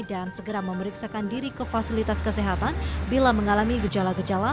dan segera memeriksakan diri ke fasilitas kesehatan bila mengalami gejala gejala